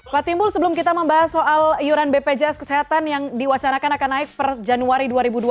pak timbul sebelum kita membahas soal iuran bpjs kesehatan yang diwacanakan akan naik per januari dua ribu dua puluh